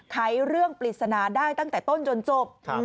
ไขเรื่องปริศนาได้ตั้งแต่ต้นจนจบ